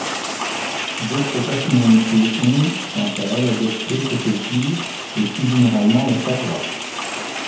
D'autres personnalités ont, quant à elles, adopté cette ville et plus généralement la Savoie.